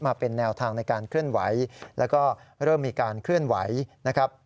มาเป็นแนวทางในการเคลื่อนไหวแล้วก็เริ่มมีการเคลื่อนไหวนะครับ